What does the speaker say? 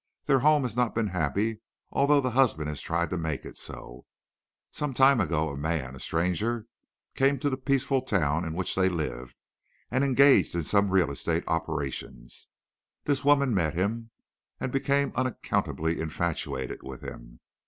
Their home has not been happy, although the husband has tried to make it so. Some time ago a man—a stranger—came to the peaceful town in which they lived and engaged in some real estate operations. This woman met him, and became unaccountably infatuated with him.